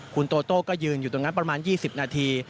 คุณโตโต้ก็ยืนอยู่ตรงนั้นประมาณ๒๐นาที